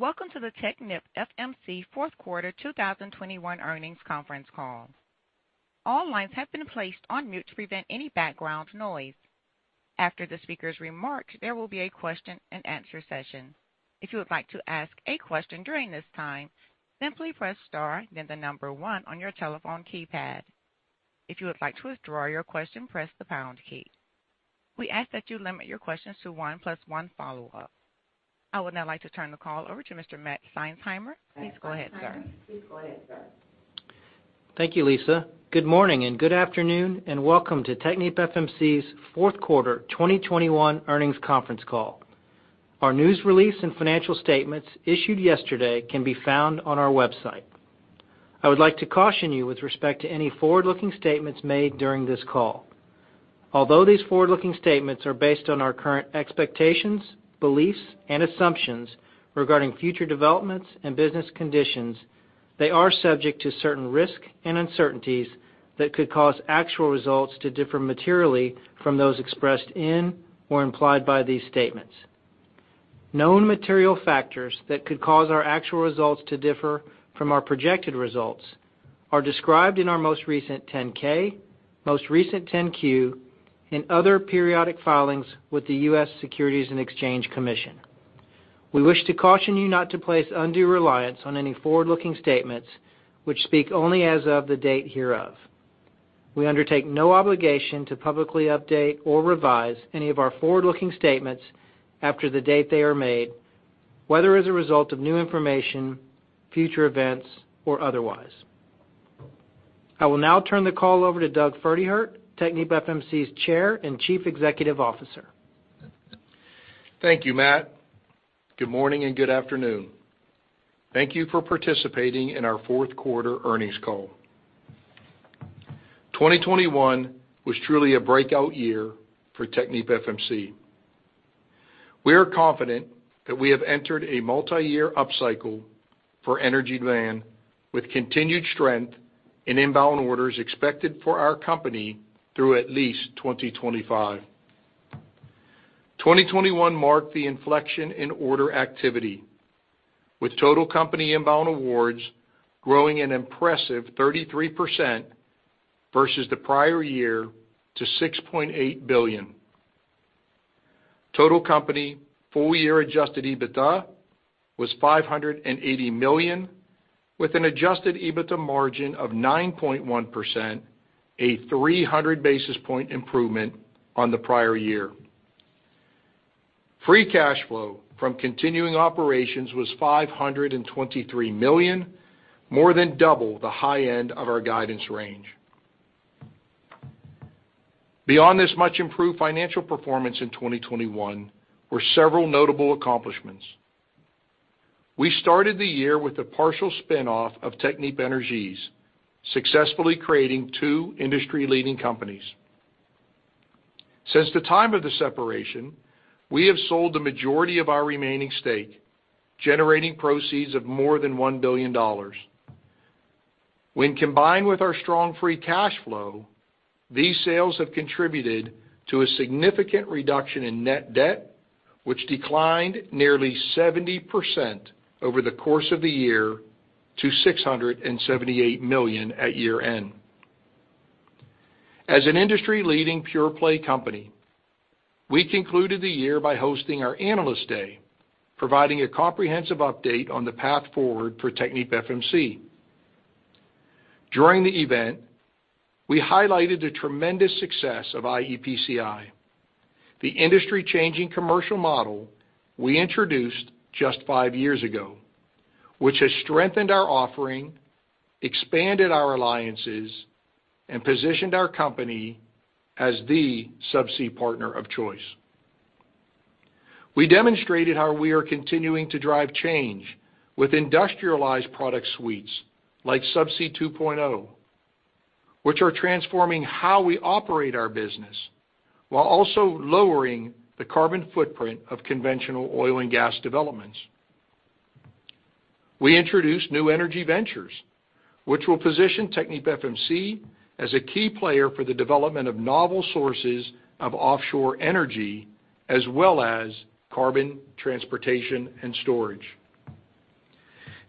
Welcome to the TechnipFMC fourth quarter 2021 earnings conference call. All lines have been placed on mute to prevent any background noise. After the speaker's remarks, there will be a Q&A session. If you would like to ask a question during this time, simply press star then the number one on your telephone keypad. If you would like to withdraw your question, press the pound key. We ask that you limit your questions to one plus one follow-up. I would now like to turn the call over to Mr. Matt Seinsheimer. Please go ahead, sir. Thank you, Lisa. Good morning and good afternoon, and welcome to TechnipFMC's fourth quarter 2021 earnings conference call. Our news release and financial statements issued yesterday can be found on our website. I would like to caution you with respect to any forward-looking statements made during this call. Although these forward-looking statements are based on our current expectations, beliefs and assumptions regarding future developments and business conditions, they are subject to certain risk and uncertainties that could cause actual results to differ materially from those expressed in or implied by these statements. Known material factors that could cause our actual results to differ from our projected results are described in our most recent 10-K, most recent 10-Q and other periodic filings with the U.S. Securities and Exchange Commission. We wish to caution you not to place undue reliance on any forward-looking statements which speak only as of the date hereof. We undertake no obligation to publicly update or revise any of our forward-looking statements after the date they are made, whether as a result of new information, future events, or otherwise. I will now turn the call over to Doug Pferdehirt, TechnipFMC's Chairman and Chief Executive Officer. Thank you, Matt. Good morning and good afternoon. Thank you for participating in our fourth quarter earnings call. 2021 was truly a breakout year for TechnipFMC. We are confident that we have entered a multi-year upcycle for energy land with continued strength in inbound orders expected for our company through at least 2025. 2021 marked the inflection in order activity with total company inbound awards growing an impressive 33% versus the prior year to $6.8 billion. Total company full year adjusted EBITDA was $580 million, with an adjusted EBITDA margin of 9.1%, a 300 basis point improvement on the prior year. Free cash flow from continuing operations was $523 million, more than double the high end of our guidance range. Beyond this much improved financial performance in 2021 were several notable accomplishments. We started the year with a partial spin-off of Technip Energies, successfully creating two industry-leading companies. Since the time of the separation, we have sold the majority of our remaining stake, generating proceeds of more than $1 billion. When combined with our strong free cash flow, these sales have contributed to a significant reduction in net debt, which declined nearly 70% over the course of the year to $678 million at year-end. As an industry leading pure-play company, we concluded the year by hosting our Analyst Day, providing a comprehensive update on the path forward for TechnipFMC. During the event, we highlighted the tremendous success of iEPCI, the industry-changing commercial model we introduced just five years ago, which has strengthened our offering, expanded our alliances and positioned our company as the subsea partner of choice. We demonstrated how we are continuing to drive change with industrialized product suites like Subsea 2.0, which are transforming how we operate our business while also lowering the carbon footprint of conventional oil and gas developments. We introduced New Energy Ventures which will position TechnipFMC as a key player for the development of novel sources of offshore energy as well as carbon transportation and storage.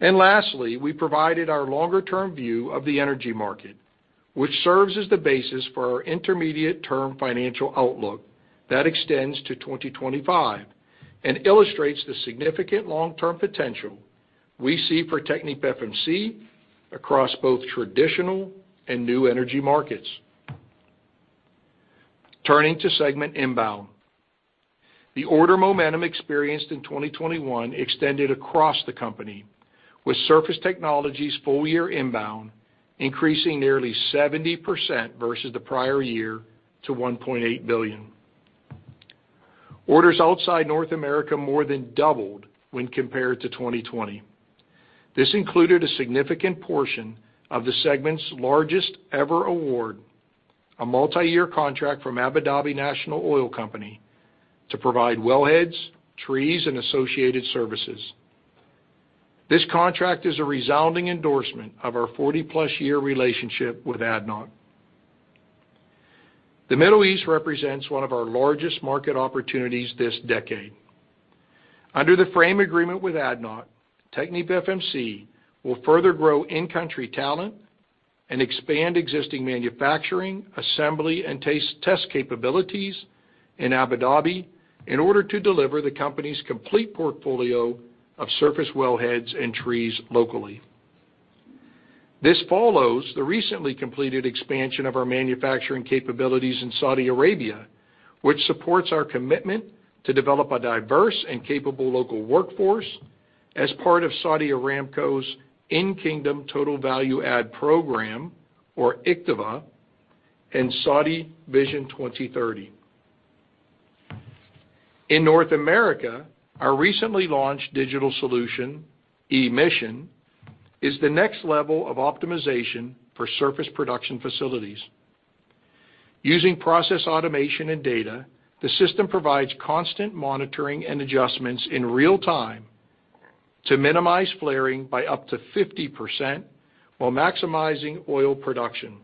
Lastly, we provided our longer term view of the energy market, which serves as the basis for our intermediate term financial outlook that extends to 2025, and illustrates the significant long-term potential we see for TechnipFMC across both traditional and new energy markets. Turning to segment inbound. The order momentum experienced in 2021 extended across the company, with Surface Technologies full year inbound increasing nearly 70% versus the prior year to $1.8 billion. Orders outside North America more than doubled when compared to 2020. This included a significant portion of the segment's largest ever award, a multi-year contract from Abu Dhabi National Oil Company to provide wellheads, trees and associated services. This contract is a resounding endorsement of our 40+ year relationship with ADNOC. The Middle East represents one of our largest market opportunities this decade. Under the framework agreement with ADNOC, TechnipFMC will further grow in-country talent and expand existing manufacturing, assembly, and test capabilities in Abu Dhabi in order to deliver the company's complete portfolio of surface wellheads and trees locally. This follows the recently completed expansion of our manufacturing capabilities in Saudi Arabia, which supports our commitment to develop a diverse and capable local workforce as part of Saudi Aramco's In Kingdom Total Value Add program, or IKTVA, and Saudi Vision 2030. In North America, our recently launched digital solution, E-Mission, is the next level of optimization for surface production facilities. Using process automation and data, the system provides constant monitoring and adjustments in real time to minimize flaring by up to 50% while maximizing oil production.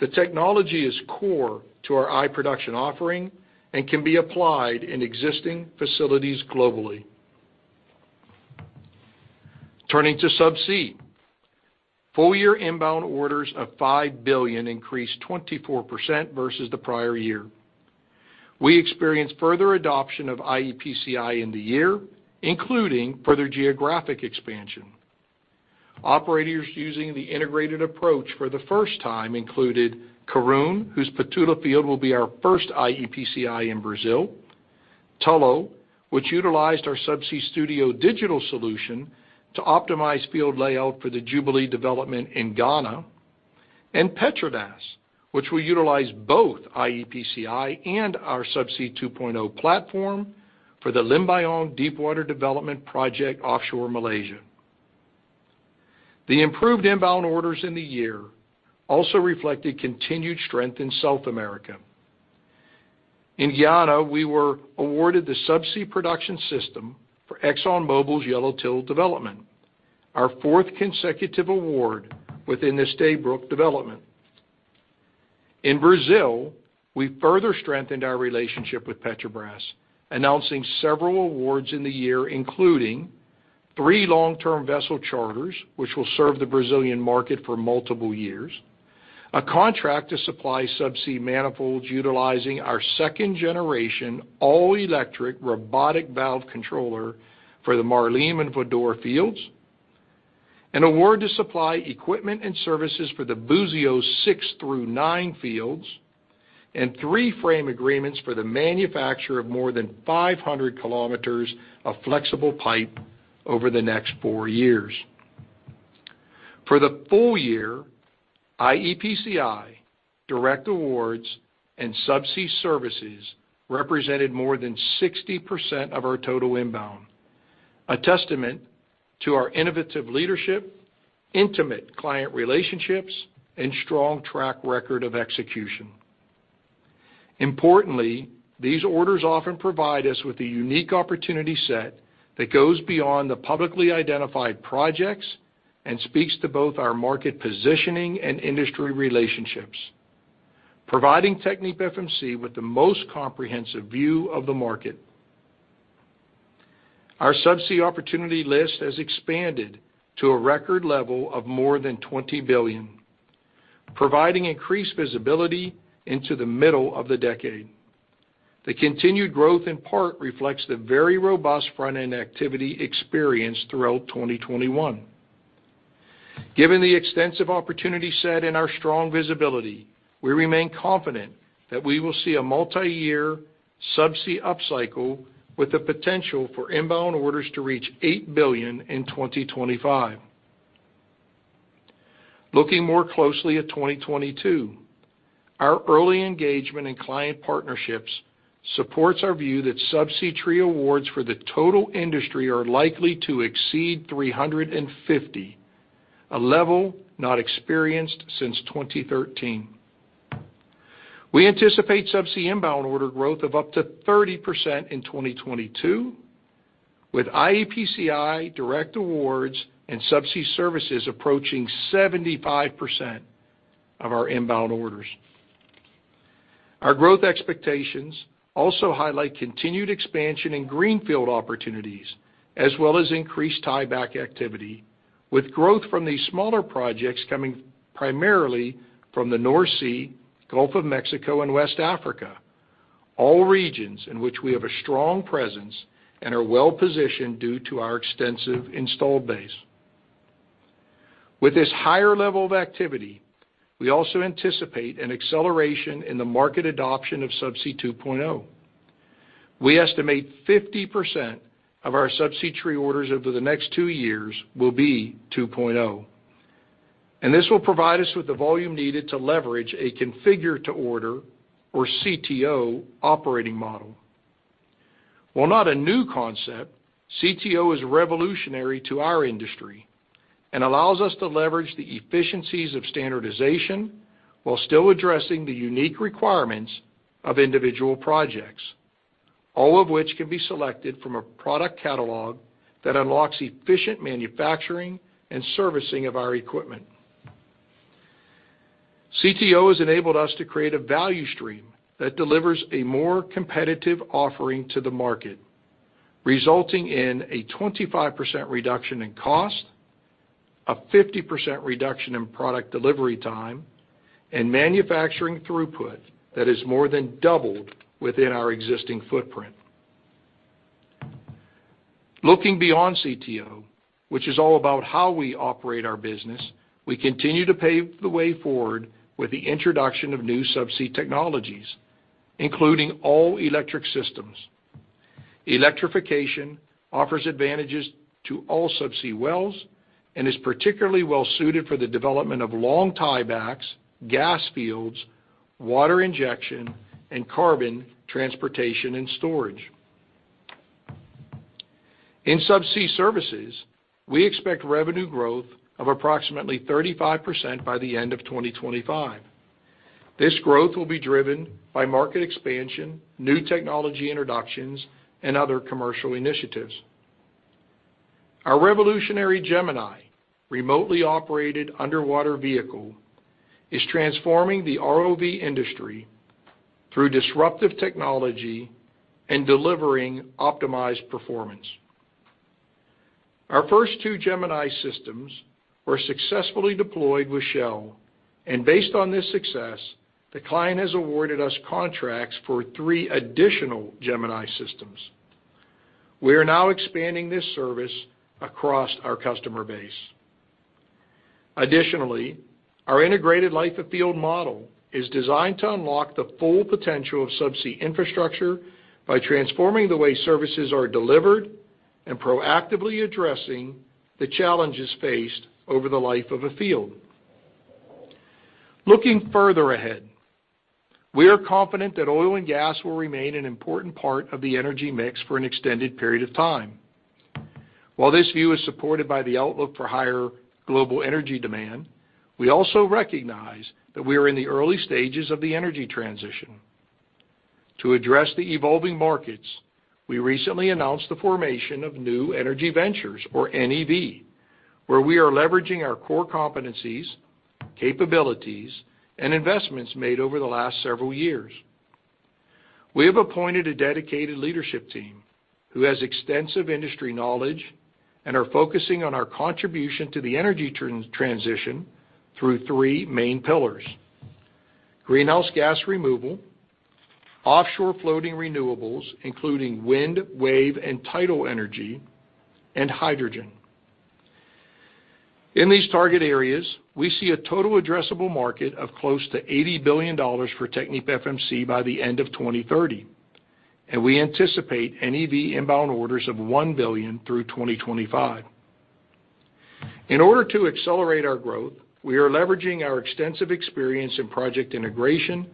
The technology is core to our iProduction offering and can be applied in existing facilities globally. Turning to Subsea. Full year inbound orders of $5 billion increased 24% versus the prior year. We experienced further adoption of iEPCI in the year, including further geographic expansion. Operators using the integrated approach for the first time included Karoon, whose Patola field will be our first iEPCI in Brazil, Tullow, which utilized our Subsea Studio digital solution to optimize field layout for the Jubilee development in Ghana, and PETRONAS, which will utilize both iEPCI and our Subsea 2.0 platform for the Limbayong Deepwater Development Project offshore Malaysia. The improved inbound orders in the year also reflected continued strength in South America. In Guyana, we were awarded the subsea production system for ExxonMobil's Yellowtail development, our fourth consecutive award within the Stabroek development. In Brazil, we further strengthened our relationship with Petrobras, announcing several awards in the year, including three long-term vessel charters, which will serve the Brazilian market for multiple years, a contract to supply subsea manifolds utilizing our second-generation all-electric robotic valve controller for the Marlim and Voador fields, an award to supply equipment and services for the Buzios six through nine fields, and three frame agreements for the manufacture of more than 500 km of flexible pipe over the next four years. For the full year, iEPCI, direct awards, and subsea services represented more than 60% of our total inbound, a testament to our innovative leadership, intimate client relationships, and strong track record of execution. Importantly, these orders often provide us with a unique opportunity set that goes beyond the publicly identified projects and speaks to both our market positioning and industry relationships, providing TechnipFMC with the most comprehensive view of the market. Our subsea opportunity list has expanded to a record level of more than $20 billion, providing increased visibility into the middle of the decade. The continued growth in part reflects the very robust front-end activity experienced throughout 2021. Given the extensive opportunity set and our strong visibility, we remain confident that we will see a multiyear subsea upcycle with the potential for inbound orders to reach $8 billion in 2025. Looking more closely at 2022, our early engagement in client partnerships supports our view that subsea tree awards for the total industry are likely to exceed 350 trees, a level not experienced since 2013. We anticipate subsea inbound order growth of up to 30% in 2022, with iEPCI direct awards and subsea services approaching 75% of our inbound orders. Our growth expectations also highlight continued expansion in greenfield opportunities as well as increased tieback activity, with growth from these smaller projects coming primarily from the North Sea, Gulf of Mexico, and West Africa, all regions in which we have a strong presence and are well-positioned due to our extensive installed base. With this higher level of activity, we also anticipate an acceleration in the market adoption of Subsea 2.0. We estimate 50% of our Subsea Tree orders over the next two years will be 2.0, and this will provide us with the volume needed to leverage a Configure to Order, or CTO, operating model. While not a new concept, CTO is revolutionary to our industry and allows us to leverage the efficiencies of standardization while still addressing the unique requirements of individual projects. All of which can be selected from a product catalog that unlocks efficient manufacturing and servicing of our equipment. CTO has enabled us to create a value stream that delivers a more competitive offering to the market, resulting in a 25% reduction in cost, a 50% reduction in product delivery time, and manufacturing throughput that has more than doubled within our existing footprint. Looking beyond CTO, which is all about how we operate our business, we continue to pave the way forward with the introduction of new subsea technologies, including all electric systems. Electrification offers advantages to all subsea wells and is particularly well-suited for the development of long tiebacks, gas fields, water injection, and carbon transportation and storage. In subsea services, we expect revenue growth of approximately 35% by the end of 2025. This growth will be driven by market expansion, new technology introductions, and other commercial initiatives. Our revolutionary Gemini remotely operated underwater vehicle is transforming the ROV industry through disruptive technology and delivering optimized performance. Our first two Gemini systems were successfully deployed with Shell, and based on this success, the client has awarded us contracts for three additional Gemini systems. We are now expanding this service across our customer base. Additionally, our integrated life-of-field model is designed to unlock the full potential of subsea infrastructure by transforming the way services are delivered and proactively addressing the challenges faced over the life of a field. Looking further ahead, we are confident that oil and gas will remain an important part of the energy mix for an extended period of time. While this view is supported by the outlook for higher global energy demand, we also recognize that we are in the early stages of the energy transition. To address the evolving markets, we recently announced the formation of New Energy Ventures, or NEV, where we are leveraging our core competencies, capabilities, and investments made over the last several years. We have appointed a dedicated leadership team who has extensive industry knowledge and are focusing on our contribution to the energy transition through three main pillars, greenhouse gas removal, offshore floating renewables, including wind, wave, and tidal energy, and hydrogen. In these target areas, we see a total addressable market of close to $80 billion for TechnipFMC by the end of 2030, and we anticipate NEV inbound orders of $1 billion through 2025. In order to accelerate our growth, we are leveraging our extensive experience in project integration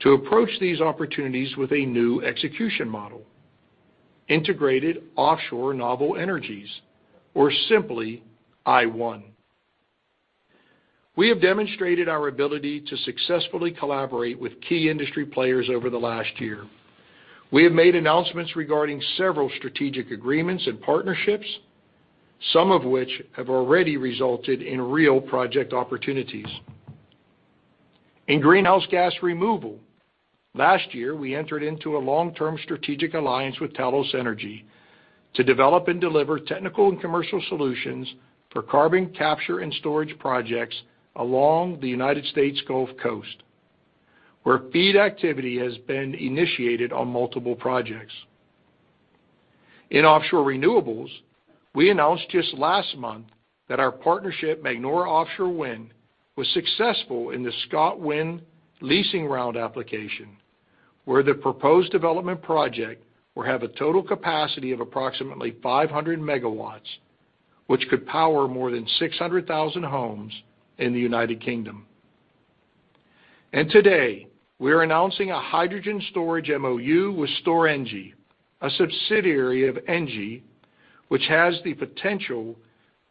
to approach these opportunities with a new execution model, Integrated Offshore Novel Energies, or simply IONE. We have demonstrated our ability to successfully collaborate with key industry players over the last year. We have made announcements regarding several strategic agreements and partnerships, some of which have already resulted in real project opportunities. In greenhouse gas removal, last year, we entered into a long-term strategic alliance with Talos Energy to develop and deliver technical and commercial solutions for carbon capture and storage projects along the United States Gulf Coast, where FEED activity has been initiated on multiple projects. In offshore renewables, we announced just last month that our partnership, Magnora Offshore Wind, was successful in the ScotWind leasing round application, where the proposed development project will have a total capacity of approximately 500 MW, which could power more than 600,000 homes in the United Kingdom. Today, we are announcing a hydrogen storage MoU with Storengy, a subsidiary of ENGIE, which has the potential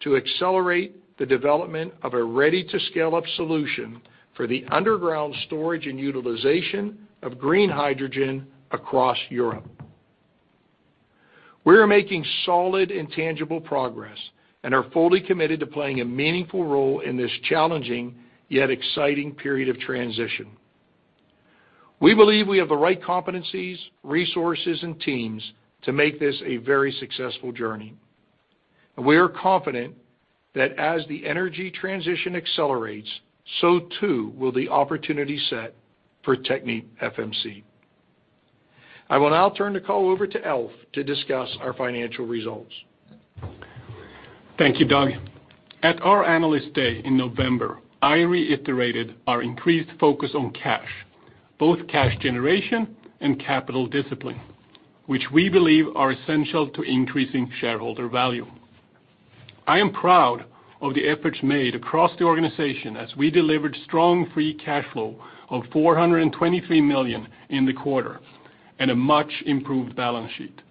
to accelerate the development of a ready-to-scale-up solution for the underground storage and utilization of green hydrogen across Europe. We are making solid and tangible progress and are fully committed to playing a meaningful role in this challenging, yet exciting period of transition. We believe we have the right competencies, resources, and teams to make this a very successful journey, and we are confident that as the energy transition accelerates, so too will the opportunity set for TechnipFMC. I will now turn the call over to Alf to discuss our financial results. Thank you, Doug. At our Analyst Day in November, I reiterated our increased focus on cash, both cash generation and capital discipline, which we believe are essential to increasing shareholder value. I am proud of the efforts made across the organization as we delivered strong free cash flow of $423 million in the quarter and a much-improved balance sheet,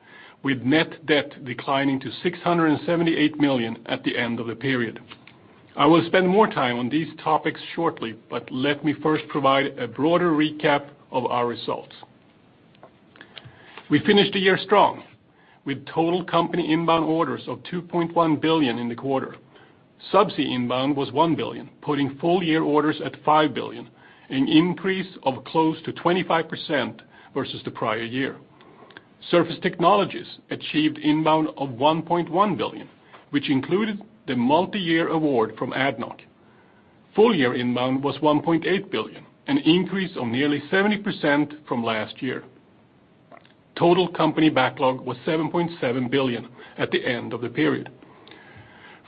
with net debt declining to $678 million at the end of the period. I will spend more time on these topics shortly, but let me first provide a broader recap of our results. We finished the year strong with total company inbound orders of $2.1 billion in the quarter. Subsea inbound was $1 billion, putting full year orders at $5 billion, an increase of close to 25% versus the prior year. Surface Technologies achieved inbound of $1.1 billion, which included the multi-year award from ADNOC. Full year inbound was $1.8 billion, an increase of nearly 70% from last year. Total company backlog was $7.7 billion at the end of the period.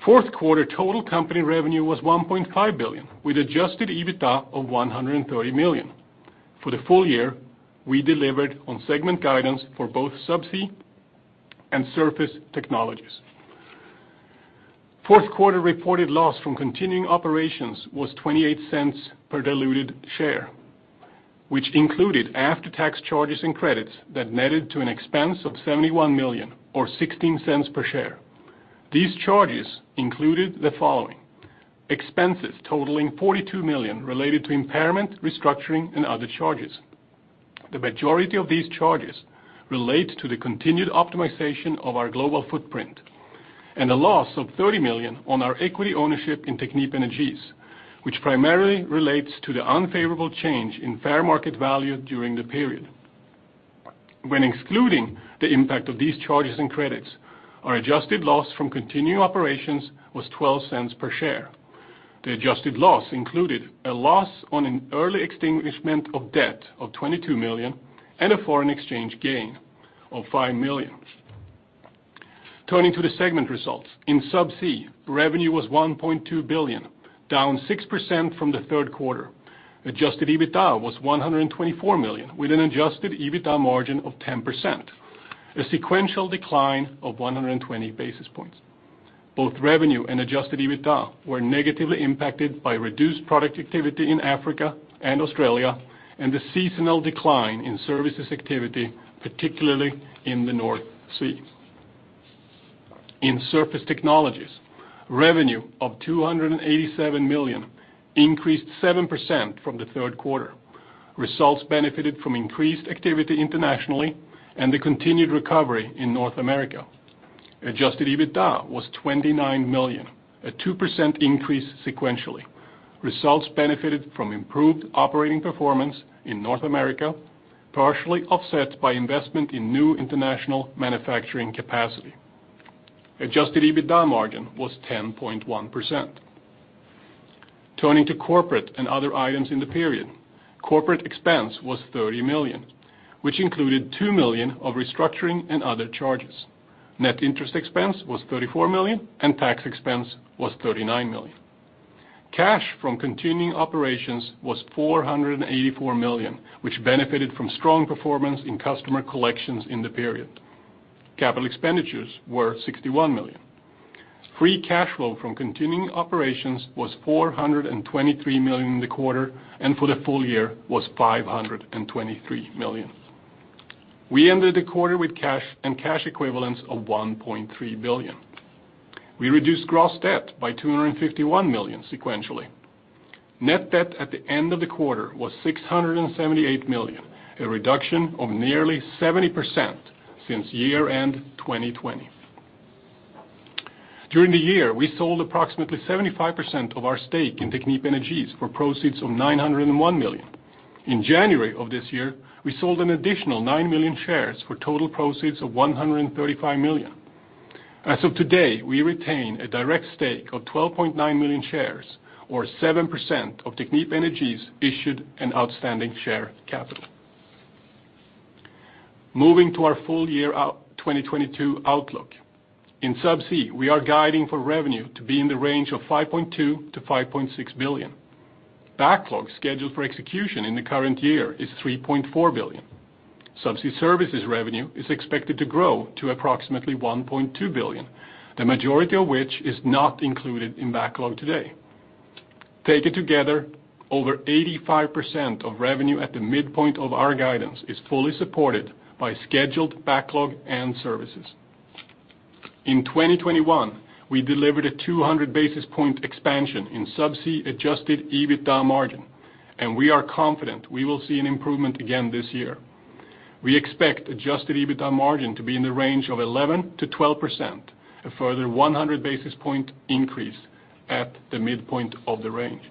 Fourth quarter total company revenue was $1.5 billion, with adjusted EBITDA of $130 million. For the full year, we delivered on segment guidance for both Subsea and Surface Technologies. Fourth quarter reported loss from continuing operations was $0.28 per diluted share, which included after-tax charges and credits that netted to an expense of $71 million or $0.16 per share. These charges included the following expenses totaling $42 million related to impairment, restructuring, and other charges. The majority of these charges relate to the continued optimization of our global footprint and a loss of $30 million on our equity ownership in Technip Energies, which primarily relates to the unfavorable change in fair market value during the period. When excluding the impact of these charges and credits, our adjusted loss from continuing operations was $0.12 per share. The adjusted loss included a loss on an early extinguishment of debt of $22 million and a foreign exchange gain of $5 million. Turning to the segment results. In Subsea, revenue was $1.2 billion, down 6% from the third quarter. Adjusted EBITDA was $124 million, with an adjusted EBITDA margin of 10%, a sequential decline of 120 basis points. Both revenue and adjusted EBITDA were negatively impacted by reduced product activity in Africa and Australia and the seasonal decline in services activity, particularly in the North Sea. In Surface Technologies, revenue of $287 million increased 7% from the third quarter. Results benefited from increased activity internationally and the continued recovery in North America. Adjusted EBITDA was $29 million, a 2% increase sequentially. Results benefited from improved operating performance in North America, partially offset by investment in new international manufacturing capacity. Adjusted EBITDA margin was 10.1%. Turning to corporate and other items in the period. Corporate expense was $30 million, which included $2 million of restructuring and other charges. Net interest expense was $34 million and tax expense was $39 million. Cash from continuing operations was $484 million, which benefited from strong performance in customer collections in the period. Capital expenditures were $61 million. Free cash flow from continuing operations was $423 million in the quarter, and for the full year was $523 million. We ended the quarter with cash and cash equivalents of $1.3 billion. We reduced gross debt by $251 million sequentially. Net debt at the end of the quarter was $678 million, a reduction of nearly 70% since year-end 2020. During the year, we sold approximately 75% of our stake in Technip Energies for proceeds of $901 million. In January of this year, we sold an additional 9 million shares for total proceeds of $135 million. As of today, we retain a direct stake of 12.9 million shares or 7% of Technip Energies issued and outstanding share capital. Moving to our full year 2022 outlook. In Subsea, we are guiding for revenue to be in the range of $5.2 billion-$5.6 billion. Backlog scheduled for execution in the current year is $3.4 billion. Subsea services revenue is expected to grow to approximately $1.2 billion, the majority of which is not included in backlog today. Taken together, over 85% of revenue at the midpoint of our guidance is fully supported by scheduled backlog and services. In 2021, we delivered a 200 basis point expansion in Subsea adjusted EBITDA margin, and we are confident we will see an improvement again this year. We expect adjusted EBITDA margin to be in the range of 11%-12%, a further 100 basis point increase at the midpoint of the range.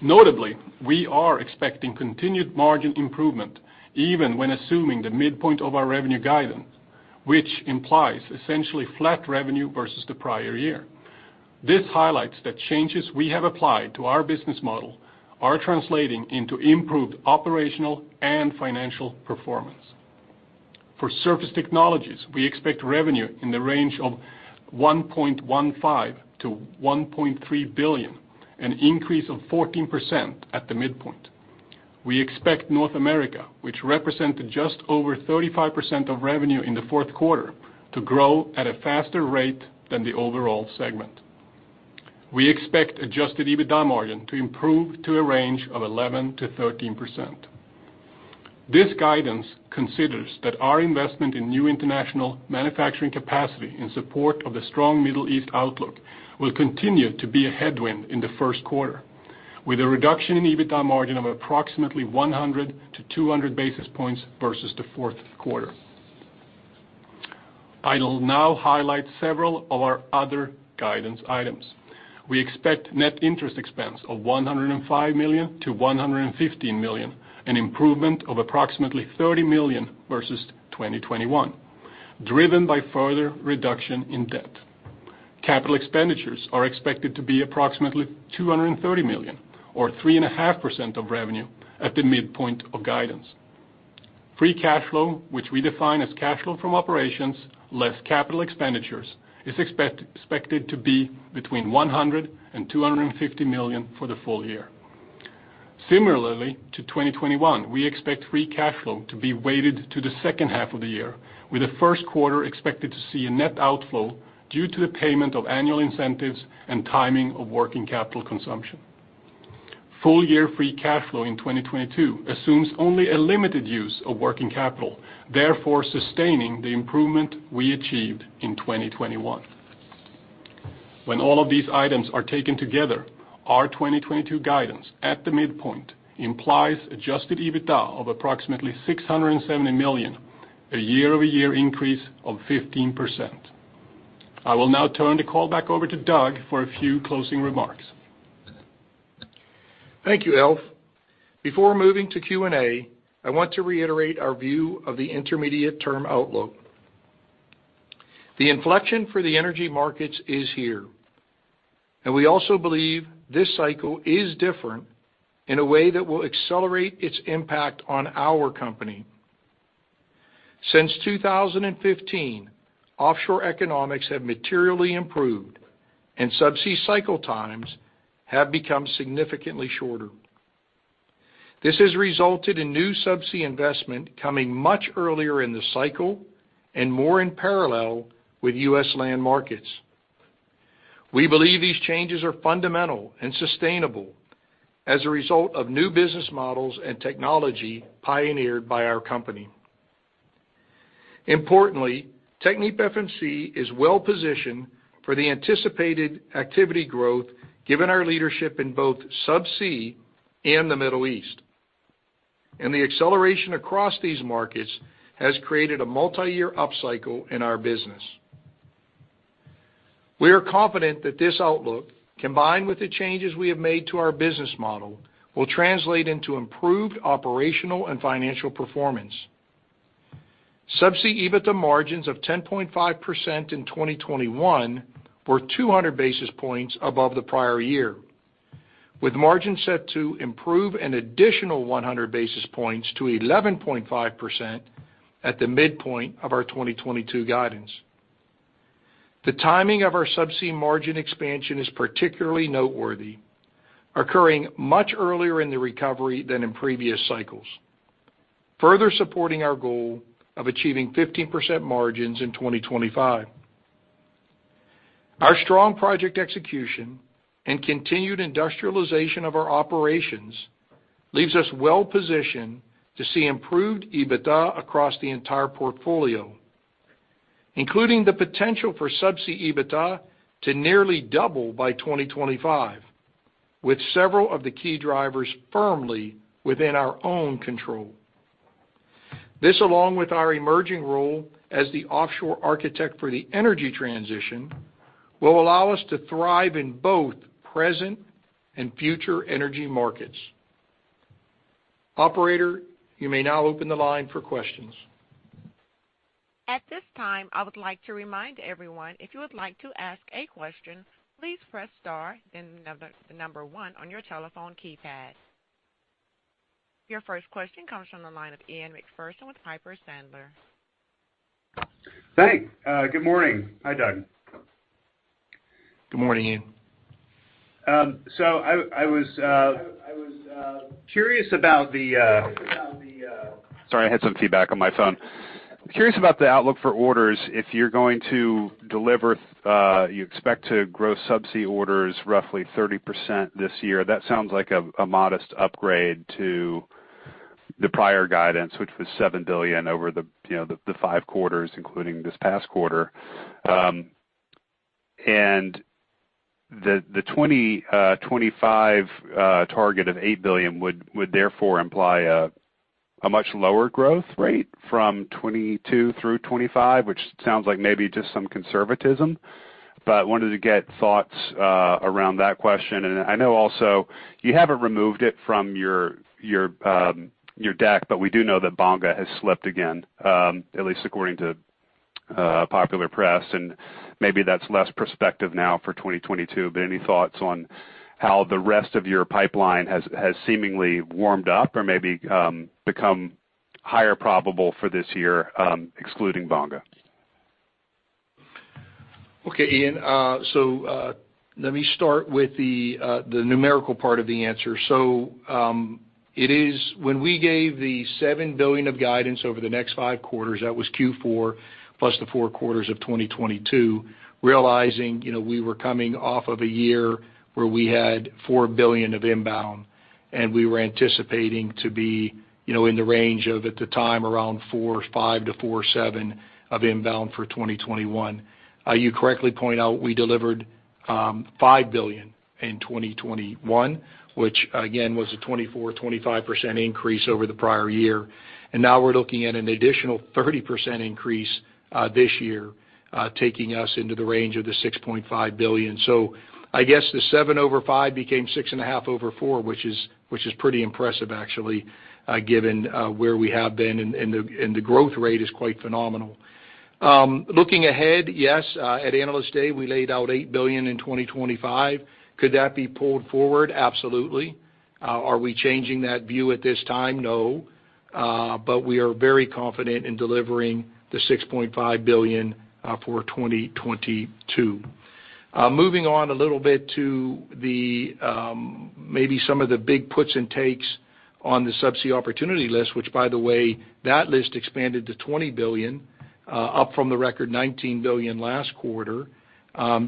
Notably, we are expecting continued margin improvement even when assuming the midpoint of our revenue guidance, which implies essentially flat revenue versus the prior year. This highlights that changes we have applied to our business model are translating into improved operational and financial performance. For Surface Technologies, we expect revenue in the range of $1.15 billion-$1.3 billion, an increase of 14% at the midpoint. We expect North America, which represented just over 35% of revenue in the fourth quarter, to grow at a faster rate than the overall segment. We expect adjusted EBITDA margin to improve to a range of 11%-13%. This guidance considers that our investment in new international manufacturing capacity in support of the strong Middle East outlook will continue to be a headwind in the first quarter, with a reduction in EBITDA margin of approximately 100 basis points-200 basis points versus the fourth quarter. I will now highlight several of our other guidance items. We expect net interest expense of $105 million-$115 million, an improvement of approximately $30 million versus 2021, driven by further reduction in debt. Capital expenditures are expected to be approximately $230 million, or 3.5% of revenue at the midpoint of guidance. Free cash flow, which we define as cash flow from operations less capital expenditures, is expected to be between $100 million and $250 million for the full year. Similarly to 2021, we expect free cash flow to be weighted to the second half of the year, with the first quarter expected to see a net outflow due to the payment of annual incentives and timing of working capital consumption. Full year free cash flow in 2022 assumes only a limited use of working capital, therefore sustaining the improvement we achieved in 2021. When all of these items are taken together, our 2022 guidance at the midpoint implies adjusted EBITDA of approximately $670 million, a year-over-year increase of 15%. I will now turn the call back over to Doug for a few closing remarks. Thank you, Alf. Before moving to Q&A, I want to reiterate our view of the intermediate term outlook. The inflection for the energy markets is here, and we also believe this cycle is different in a way that will accelerate its impact on our company. Since 2015, offshore economics have materially improved, and subsea cycle times have become significantly shorter. This has resulted in new subsea investment coming much earlier in the cycle and more in parallel with U.S. land markets. We believe these changes are fundamental and sustainable as a result of new business models and technology pioneered by our company. Importantly, TechnipFMC is well-positioned for the anticipated activity growth given our leadership in both subsea and the Middle East. The acceleration across these markets has created a multiyear upcycle in our business. We are confident that this outlook, combined with the changes we have made to our business model, will translate into improved operational and financial performance. Subsea EBITDA margins of 10.5% in 2021 were 200 basis points above the prior year, with margins set to improve an additional 100 basis points to 11.5% at the midpoint of our 2022 guidance. The timing of our subsea margin expansion is particularly noteworthy, occurring much earlier in the recovery than in previous cycles, further supporting our goal of achieving 15% margins in 2025. Our strong project execution and continued industrialization of our operations leaves us well-positioned to see improved EBITDA across the entire portfolio, including the potential for subsea EBITDA to nearly double by 2025, with several of the key drivers firmly within our own control. This, along with our emerging role as the offshore architect for the energy transition, will allow us to thrive in both present and future energy markets. Operator, you may now open the line for questions. At this time, I would like to remind everyone, if you would like to ask a question, please press star, then the number one on your telephone keypad. Your first question comes from the line of Ian MacPherson with Piper Sandler. Thanks. Good morning. Hi, Doug. Good morning, Ian. I was curious about the outlook for orders. Sorry, I had some feedback on my phone. If you are going to deliver, you expect to grow subsea orders roughly 30% this year. That sounds like a modest upgrade to the prior guidance, which was $7 billion over the, you know, the five quarters, including this past quarter. The 2025 target of $8 billion would therefore imply a much lower growth rate from 2022 through 2025, which sounds like maybe just some conservatism. Wanted to get thoughts around that question. I know also you have not removed it from your deck, but we do know that Bonga has slipped again, at least according to popular press. Maybe that's less prospective now for 2022. Any thoughts on how the rest of your pipeline has seemingly warmed up or maybe become higher probable for this year, excluding Bonga? Okay, Ian. Let me start with the numerical part of the answer. When we gave the $7 billion of guidance over the next five quarters, that was Q4 plus the four quarters of 2022, realizing, you know, we were coming off of a year where we had $4 billion of inbound. We were anticipating to be, you know, in the range of, at the time, around $4.5 billion-$4.7 billion of inbound for 2021. You correctly point out we delivered $5 billion in 2021, which again, was a 24%-25% increase over the prior year. Now we're looking at an additional 30% increase this year, taking us into the range of the $6.5 billion. I guess the 7/5 became 6.5/4, which is pretty impressive actually, given where we have been, and the growth rate is quite phenomenal. Looking ahead, yes, at Analyst Day, we laid out $8 billion in 2025. Could that be pulled forward? Absolutely. Are we changing that view at this time? No. We are very confident in delivering the $6.5 billion for 2022. Moving on a little bit to the maybe some of the big puts and takes on the subsea opportunity list, which by the way, that list expanded to $20 billion up from the record $19 billion last quarter.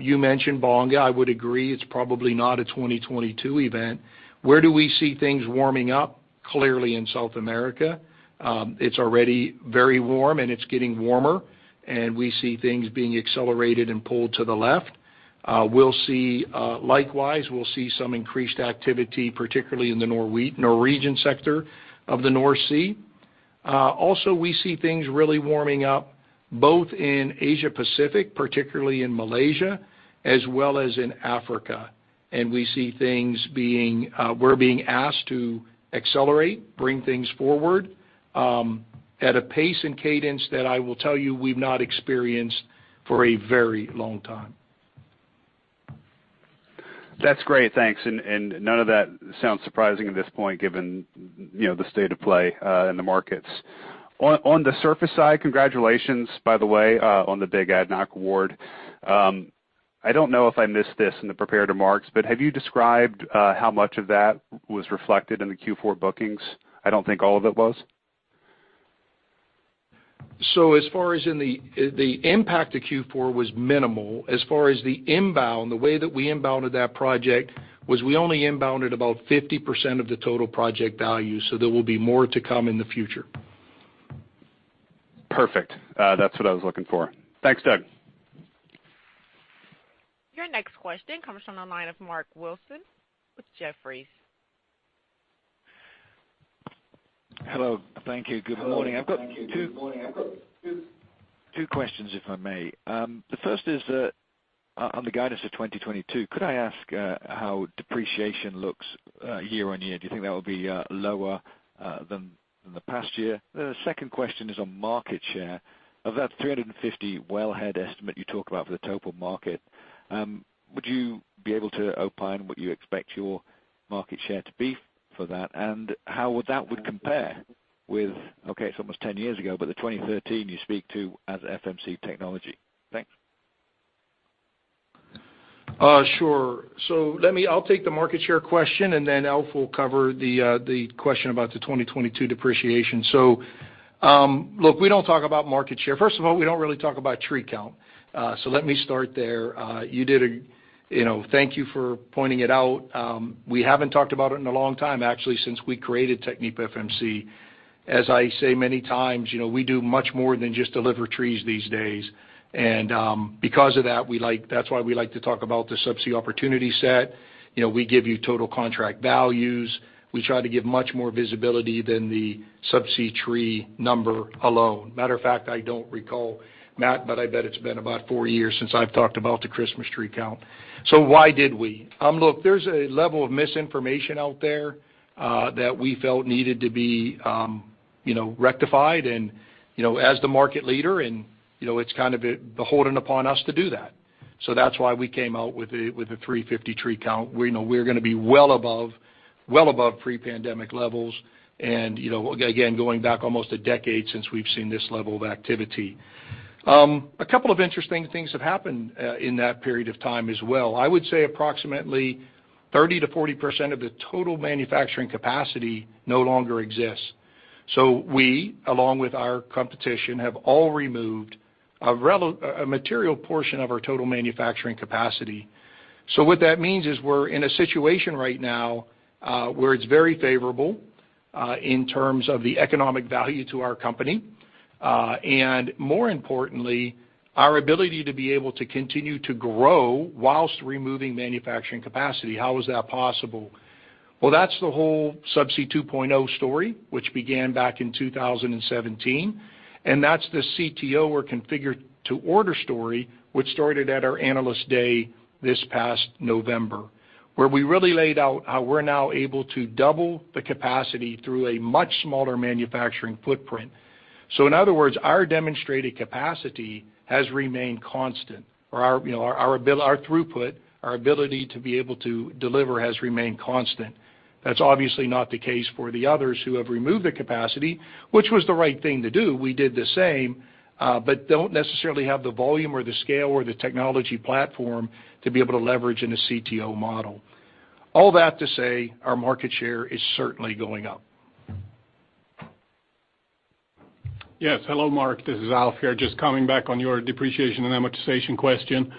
You mentioned Bonga. I would agree, it's probably not a 2022 event. Where do we see things warming up? Clearly in South America. It's already very warm and it's getting warmer, and we see things being accelerated and pulled to the left. We'll see likewise some increased activity, particularly in the Norwegian sector of the North Sea. Also, we see things really warming up both in Asia Pacific, particularly in Malaysia, as well as in Africa. We see things, we're being asked to accelerate, bring things forward, at a pace and cadence that I will tell you we've not experienced for a very long time. That's great. Thanks. None of that sounds surprising at this point, given, you know, the state of play in the markets. On the surface side, congratulations, by the way, on the big ADNOC award. I don't know if I missed this in the prepared remarks, but have you described how much of that was reflected in the Q4 bookings? I don't think all of it was. As far as the impact to Q4 was minimal. As far as the inbound, the way that we inbounded that project was we only inbounded about 50% of the total project value, there will be more to come in the future. Perfect. That's what I was looking for. Thanks, Doug. Your next question comes from the line of Mark Wilson with Jefferies. Hello. Thank you. Good morning. I've got two questions, if I may. The first is that on the guidance of 2022, could I ask how depreciation looks year on year? Do you think that will be lower than the past year? The second question is on market share. Of that 350 wellhead estimate you talk about for the total market, would you be able to opine what you expect your market share to be for that, and how would that compare with, okay, it's almost 10 years ago, but the 2013 you speak to as FMC Technologies? Thanks. I'll take the market share question, and then Alf will cover the question about the 2022 depreciation. Look, we don't talk about market share. First of all, we don't really talk about tree count. Let me start there. You know, thank you for pointing it out. We haven't talked about it in a long time, actually, since we created TechnipFMC. As I say many times, you know, we do much more than just deliver trees these days. Because of that's why we like to talk about the subsea opportunity set. You know, we give you total contract values. We try to give much more visibility than the subsea tree number alone. Matter of fact, I don't recall, Matt, but I bet it's been about four years since I've talked about the Christmas tree count. Why did we? Look, there's a level of misinformation out there that we felt needed to be, you know, rectified. You know, as the market leader and, you know, it's kind of behooving upon us to do that. That's why we came out with a 350 tree count. We know we're gonna be well above pre-pandemic levels. You know, going back almost a decade since we've seen this level of activity. A couple of interesting things have happened in that period of time as well. I would say approximately 30%-40% of the total manufacturing capacity no longer exists. We, along with our competition, have all removed a material portion of our total manufacturing capacity. What that means is we're in a situation right now, where it's very favorable, in terms of the economic value to our company, and more importantly, our ability to be able to continue to grow while removing manufacturing capacity. How is that possible? Well, that's the whole Subsea 2.0 story, which began back in 2017. That's the CTO or Configure to Order story, which started at our Analyst Day this past November, where we really laid out how we're now able to double the capacity through a much smaller manufacturing footprint. In other words, our demonstrated capacity has remained constant. You know, our throughput, our ability to be able to deliver has remained constant. That's obviously not the case for the others who have removed the capacity, which was the right thing to do, we did the same, but don't necessarily have the volume or the scale or the technology platform to be able to leverage in a CTO model. All that to say, our market share is certainly going up. Yes. Hello, Mark. This is Alf here. Just coming back on your depreciation and amortization question.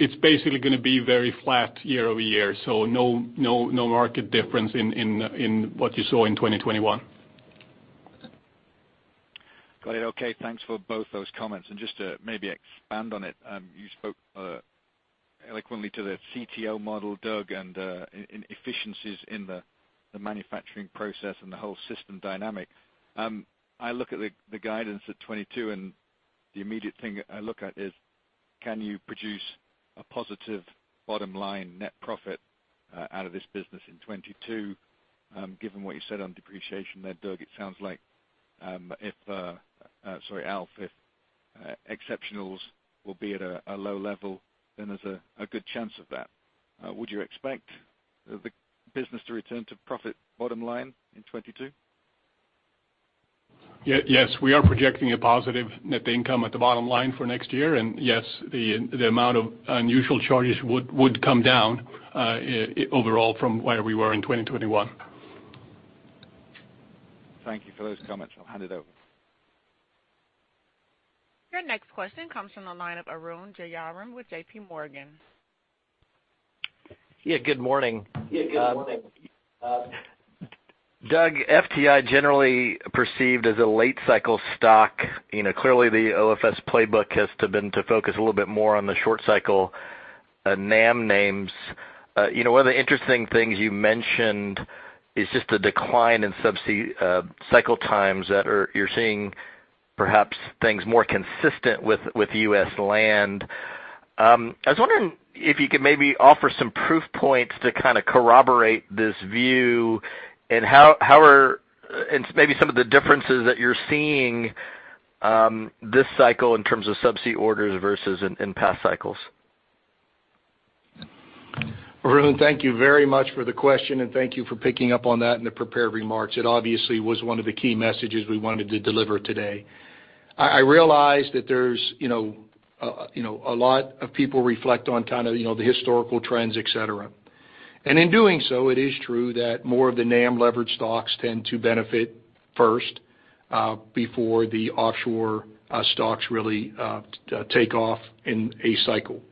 It's basically gonna be very flat year-over-year, so no material difference in what you saw in 2021. Got it. Okay. Thanks for both those comments. Just to maybe expand on it, you spoke eloquently to the CTO model, Doug, and in efficiencies in the manufacturing process and the whole system dynamic. I look at the guidance at 2022, and the immediate thing I look at is can you produce a positive bottom line net profit out of this business in 2022, given what you said on depreciation there, Doug? It sounds like, if sorry, Alf, if exceptionals will be at a low level, then there's a good chance of that. Would you expect the business to return to profit bottom line in 2022? Yes. We are projecting a positive net income at the bottom line for next year. Yes, the amount of unusual charges would come down overall from where we were in 2021. Thank you for those comments. I'll hand it over. Your next question comes from the line of Arun Jayaram with JPMorgan. Yeah, good morning. Yeah, good morning. Doug, FTI is generally perceived as a late cycle stock. You know, clearly the OFS playbook has been to focus a little bit more on the short cycle NAM names. You know, one of the interesting things you mentioned is just the decline in subsea cycle times that you're seeing perhaps things more consistent with U.S. land. I was wondering if you could maybe offer some proof points to kinda corroborate this view, and maybe some of the differences that you're seeing this cycle in terms of subsea orders versus in past cycles. Arun, thank you very much for the question, and thank you for picking up on that in the prepared remarks. It obviously was one of the key messages we wanted to deliver today. I realize that there's, you know, you know, a lot of people reflect on kind of, you know, the historical trends, et cetera. In doing so, it is true that more of the NAM-levered stocks tend to benefit first, before the offshore stocks really take off in a cycle.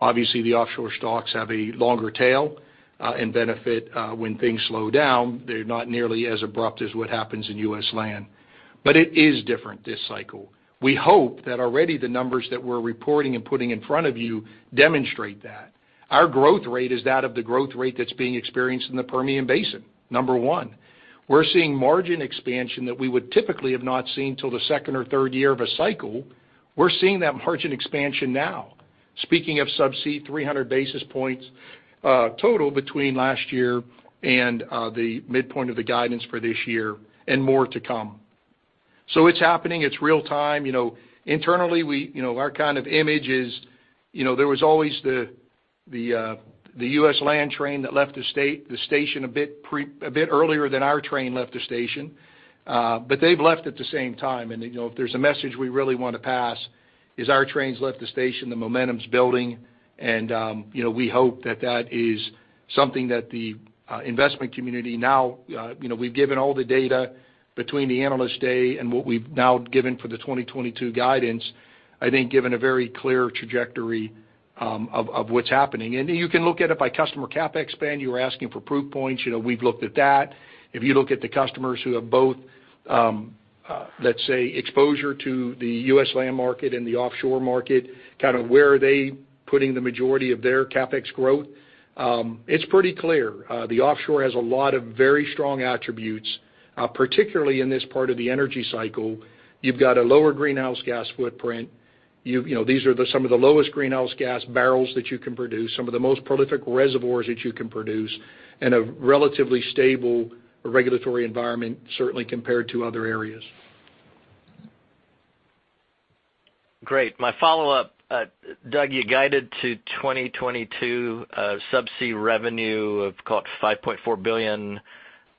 Obviously, the offshore stocks have a longer tail, and benefit, when things slow down. They're not nearly as abrupt as what happens in U.S. land. It is different this cycle. We hope that already the numbers that we're reporting and putting in front of you demonstrate that. Our growth rate is that of the growth rate that's being experienced in the Permian Basin, number one. We're seeing margin expansion that we would typically have not seen till the second or third year of a cycle. We're seeing that margin expansion now. Speaking of subsea, 300 basis points total between last year and the midpoint of the guidance for this year, and more to come. It's happening. It's real time. You know, internally, we, you know, our kind of image is, you know, there was always the U.S. land train that left the station a bit earlier than our train left the station, but they've left at the same time. You know, if there's a message we really wanna pass is our train's left the station, the momentum's building. You know, we hope that is something that the investment community now, you know, we've given all the data between the Analyst Day and what we've now given for the 2022 guidance. I think, given a very clear trajectory of what's happening. You can look at it by customer CapEx spend. You were asking for proof points. You know, we've looked at that. If you look at the customers who have both, let's say, exposure to the U.S. land market and the offshore market, kind of where are they putting the majority of their CapEx growth, it's pretty clear. The offshore has a lot of very strong attributes, particularly in this part of the energy cycle. You've got a lower greenhouse gas footprint. You've, you know, these are the, some of the lowest greenhouse gas barrels that you can produce, some of the most prolific reservoirs that you can produce, and a relatively stable regulatory environment, certainly compared to other areas. Great. My follow-up. Doug, you guided to 2022 subsea revenue of call it $5.4 billion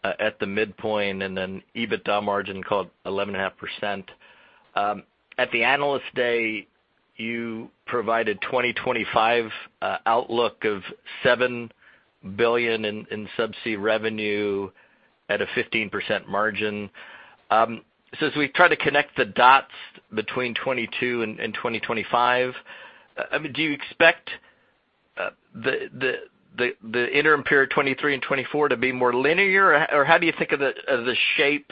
at the midpoint, and then EBITDA margin call it 11.5%. At the Analyst Day, you provided 2025 outlook of $7 billion in subsea revenue at a 15% margin. So as we try to connect the dots between 2022 and 2025, I mean, do you expect the interim period 2023 and 2024 to be more linear? Or how do you think of the shape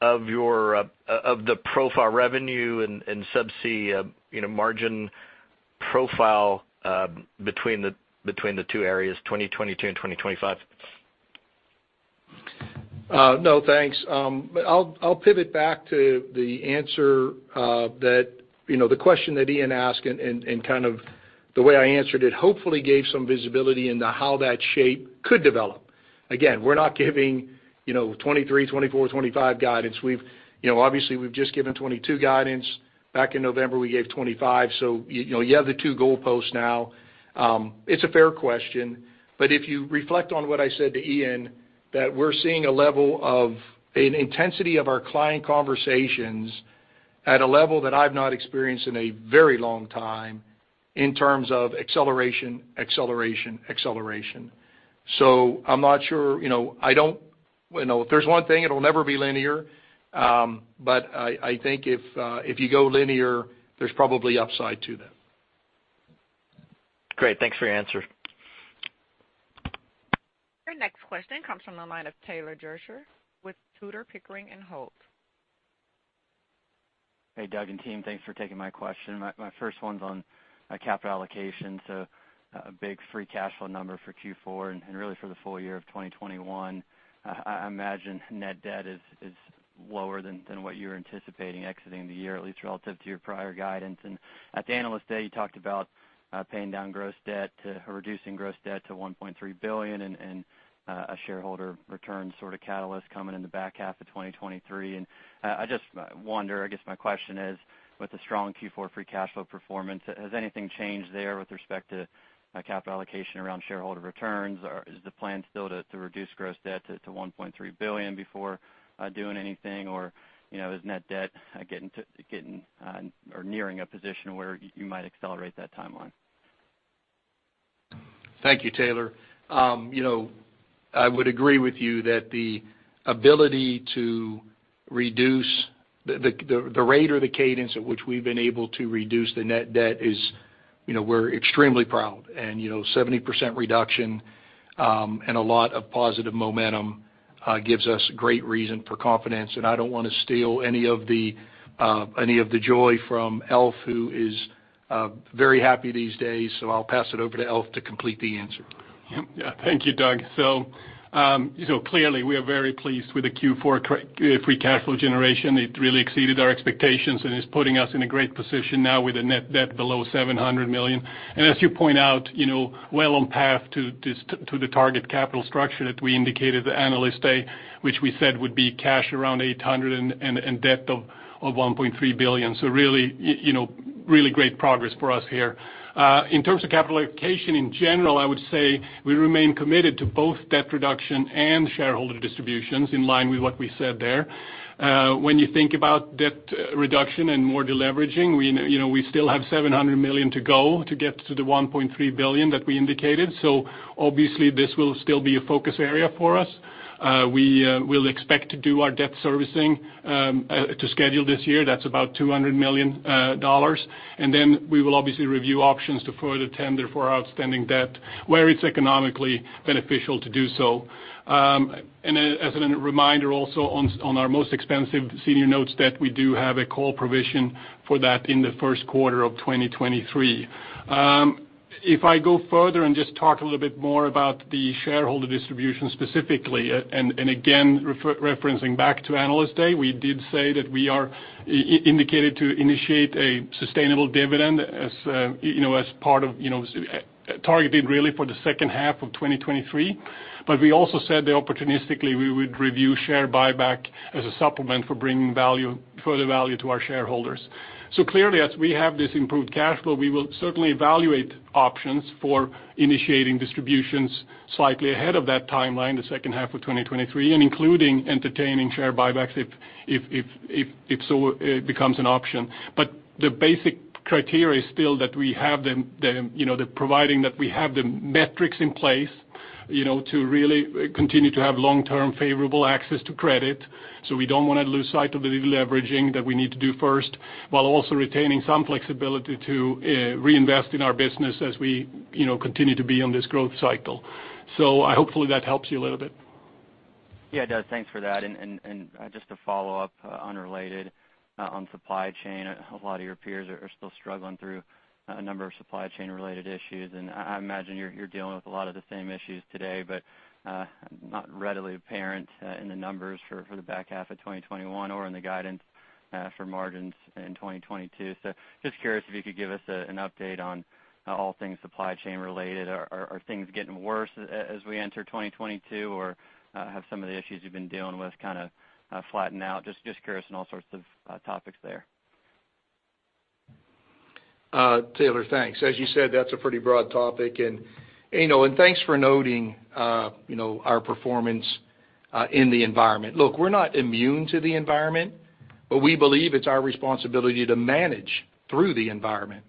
of your profile revenue and subsea you know margin profile between the two areas, 2022 and 2025? No, thanks. I'll pivot back to the answer that, you know, the question that Ian asked and kind of the way I answered it hopefully gave some visibility into how that shape could develop. Again, we're not giving, you know, 2023, 2024, 2025 guidance. We've, you know, obviously we've just given 2022 guidance. Back in November, we gave 2025. You know, you have the two goalposts now. It's a fair question, but if you reflect on what I said to Ian, that we're seeing a level of an intensity of our client conversations at a level that I've not experienced in a very long time. In terms of acceleration. I'm not sure, you know. I don't. You know, if there's one thing, it'll never be linear. I think if you go linear, there's probably upside to that. Great. Thanks for your answer. Your next question comes from the line of Taylor Zurcher with Tudor Pickering Holt. Hey, Doug and team. Thanks for taking my question. My first one's on capital allocation. A big free cash flow number for Q4 and really for the full year of 2021. I imagine net debt is lower than what you're anticipating exiting the year, at least relative to your prior guidance. At the Analyst Day, you talked about paying down gross debt or reducing gross debt to $1.3 billion and a shareholder return sort of catalyst coming in the back half of 2023. I just wonder, I guess my question is with the strong Q4 free cash flow performance, has anything changed there with respect to capital allocation around shareholder returns? Is the plan still to reduce gross debt to $1.3 billion before doing anything? You know, is net debt getting or nearing a position where you might accelerate that timeline? Thank you, Taylor. You know, I would agree with you that the ability to reduce the rate or the cadence at which we've been able to reduce the net debt is, you know, we're extremely proud. You know, 70% reduction and a lot of positive momentum gives us great reason for confidence. I don't wanna steal any of the joy from Alf, who is very happy these days, so I'll pass it over to Alf to complete the answer. Yeah. Thank you, Doug. You know, clearly, we are very pleased with the Q4 free cash flow generation. It really exceeded our expectations, and it's putting us in a great position now with a net debt below $700 million. As you point out, you know, well on path to the target capital structure that we indicated at the Analyst Day, which we said would be cash around $800 million and a debt of $1.3 billion. Really, you know, really great progress for us here. In terms of capital allocation in general, I would say we remain committed to both debt reduction and shareholder distributions in line with what we said there. When you think about debt reduction and more deleveraging, we, you know, we still have $700 million to go to get to the $1.3 billion that we indicated. Obviously, this will still be a focus area for us. We will expect to do our debt servicing to schedule this year. That's about $200 million. Then we will obviously review options to further tender for our outstanding debt where it's economically beneficial to do so. As a reminder also on our most expensive senior notes debt, we do have a call provision for that in the first quarter of 2023. If I go further and just talk a little bit more about the shareholder distribution specifically, and again, referencing back to Analyst Day, we did say that we are indicated to initiate a sustainable dividend as, you know, as part of, you know, targeted really for the second half of 2023. We also said that opportunistically, we would review share buyback as a supplement for bringing further value to our shareholders. Clearly, as we have this improved cash flow, we will certainly evaluate options for initiating distributions slightly ahead of that timeline, the second half of 2023, and including entertaining share buybacks if so it becomes an option. The basic criteria is still that we have them, you know, the providing that we have the metrics in place, you know, to really continue to have long-term favorable access to credit. We don't wanna lose sight of the deleveraging that we need to do first, while also retaining some flexibility to reinvest in our business as we, you know, continue to be on this growth cycle. Hopefully that helps you a little bit. Yeah, it does. Thanks for that. Just to follow up, unrelated, on supply chain, a lot of your peers are still struggling through a number of supply chain related issues. I imagine you're dealing with a lot of the same issues today, but not readily apparent in the numbers for the back half of 2021 or in the guidance for margins in 2022. Just curious if you could give us an update on all things supply chain related. Are things getting worse as we enter 2022, or have some of the issues you've been dealing with kinda flattened out? Just curious on all sorts of topics there. Taylor, thanks. As you said, that's a pretty broad topic. You know, and thanks for noting, you know, our performance in the environment. Look, we're not immune to the environment, but we believe it's our responsibility to manage through the environment.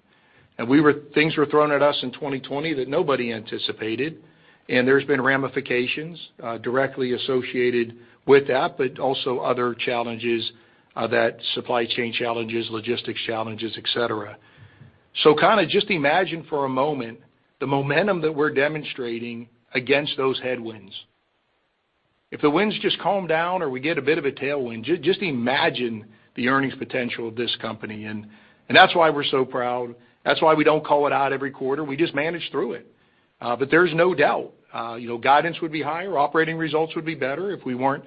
Things were thrown at us in 2020 that nobody anticipated, and there's been ramifications directly associated with that, but also other challenges that supply chain challenges, logistics challenges, et cetera. Kinda just imagine for a moment the momentum that we're demonstrating against those headwinds. If the winds just calm down or we get a bit of a tailwind, just imagine the earnings potential of this company. That's why we're so proud. That's why we don't call it out every quarter. We just manage through it. There's no doubt, you know, guidance would be higher, operating results would be better if we weren't,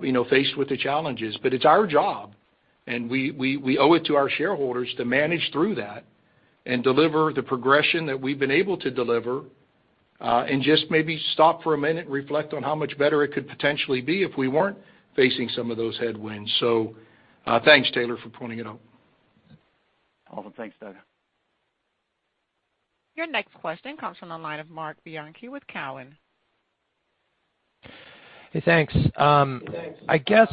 you know, faced with the challenges. It's our job, and we owe it to our shareholders to manage through that and deliver the progression that we've been able to deliver, and just maybe stop for a minute and reflect on how much better it could potentially be if we weren't facing some of those headwinds. Thanks, Taylor, for pointing it out. Awesome. Thanks, Doug. Your next question comes from the line of Marc Bianchi with Cowen. Hey, thanks. I guess,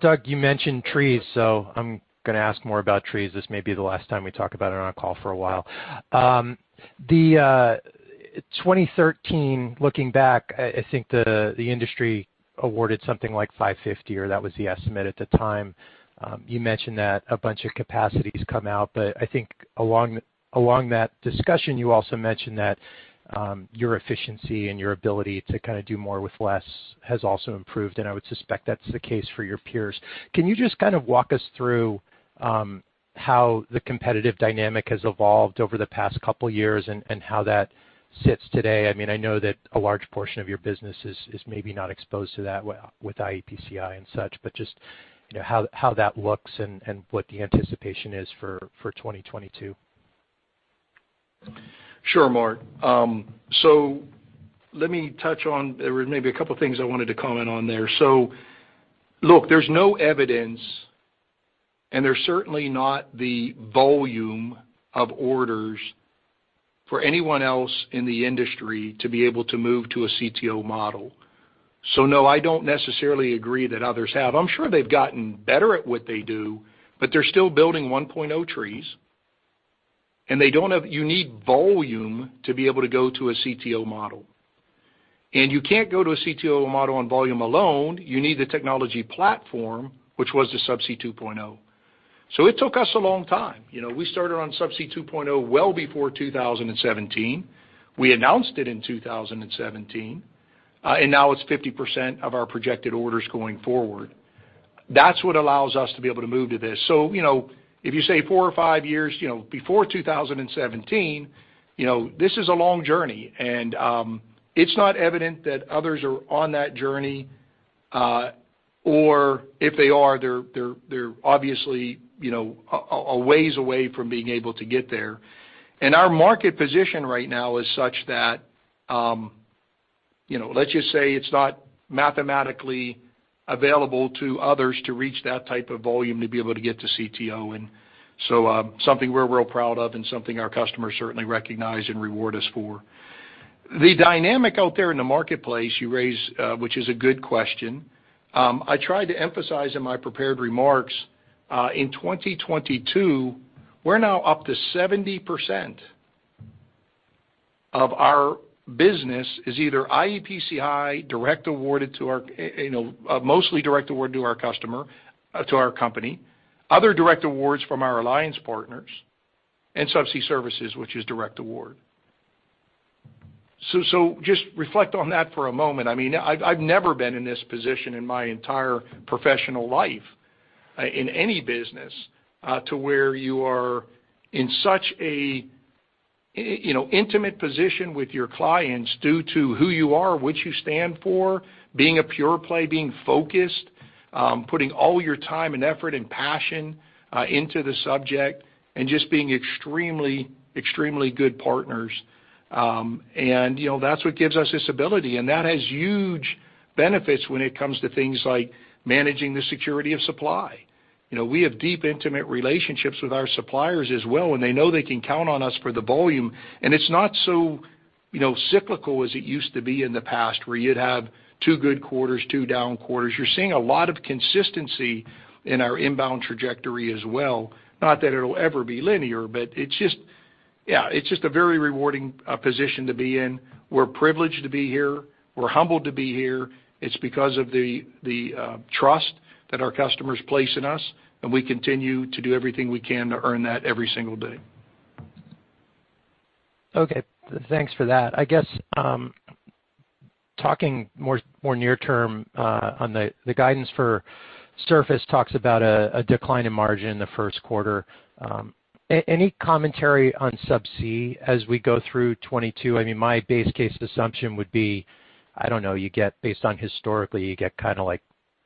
Doug, you mentioned trees, so I'm gonna ask more about trees. This may be the last time we talk about it on a call for a while. The 2013, looking back, I think the industry awarded something like 550, or that was the estimate at the time. You mentioned that a bunch of capacity has come out, but I think along that discussion, you also mentioned that your efficiency and your ability to kind of do more with less has also improved, and I would suspect that's the case for your peers. Can you just kind of walk us through how the competitive dynamic has evolved over the past couple years and how that sits today? I mean, I know that a large portion of your business is maybe not exposed to that with iEPCI and such, but just, you know, how that looks and what the anticipation is for 2022. Sure, Mark. There were maybe a couple things I wanted to comment on there. Look, there's no evidence, and there's certainly not the volume of orders for anyone else in the industry to be able to move to a CTO model. No, I don't necessarily agree that others have. I'm sure they've gotten better at what they do, but they're still building 1.0 trees, and they don't have. You need volume to be able to go to a CTO model. You can't go to a CTO model on volume alone, you need the technology platform, which was the Subsea 2.0. It took us a long time. We started on Subsea 2.0 well before 2017. We announced it in 2017, and now it's 50% of our projected orders going forward. That's what allows us to be able to move to this. You know, if you say four or five years, you know, before 2017, you know, this is a long journey. It's not evident that others are on that journey, or if they are, they're obviously, you know, a ways away from being able to get there. Our market position right now is such that, you know, let's just say it's not mathematically available to others to reach that type of volume to be able to get to CTO. Something we're real proud of and something our customers certainly recognize and reward us for. The dynamic out there in the marketplace you raise, which is a good question. I tried to emphasize in my prepared remarks, in 2022, we're now up to 70% of our business is either iEPCI direct awarded to our, you know, mostly direct award to our customer, to our company, other direct awards from our alliance partners and subsea services, which is direct award. Just reflect on that for a moment. I mean, I've never been in this position in my entire professional life, in any business, to where you are in such a, you know, intimate position with your clients due to who you are, what you stand for, being a pure-play, being focused, putting all your time and effort and passion, into the subject and just being extremely good partners. You know, that's what gives us this ability. That has huge benefits when it comes to things like managing the security of supply. You know, we have deep, intimate relationships with our suppliers as well, and they know they can count on us for the volume. It's not so, you know, cyclical as it used to be in the past, where you'd have two good quarters, two down quarters. You're seeing a lot of consistency in our inbound trajectory as well. Not that it'll ever be linear, but it's just, yeah, it's just a very rewarding position to be in. We're privileged to be here. We're humbled to be here. It's because of the trust that our customers place in us, and we continue to do everything we can to earn that every single day. Okay. Thanks for that. I guess, talking more near term, on the guidance for Surface talks about a decline in margin in the first quarter. Any commentary on Subsea as we go through 2022? I mean, my base case assumption would be, I don't know, you get based on history kind of like